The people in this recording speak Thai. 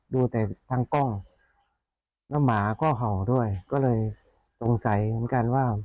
ดูแต่ทางกล้องแล้วหมาก็เห่าด้วยก็เลยสงสัยเหมือนกันว่า